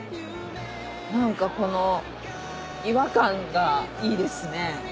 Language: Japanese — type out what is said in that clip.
何かこの違和感がいいですね。